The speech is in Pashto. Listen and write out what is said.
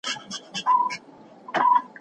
که زده کړه وي نو بیکاري نه وي.